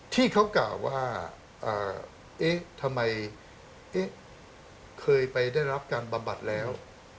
ที่เขากล่าวว่าเอ๊ะทำไมเคยไปได้รับการบำบัดแล้ว